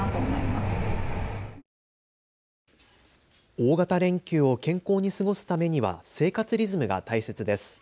大型連休を健康に過ごすためには生活リズムが大切です。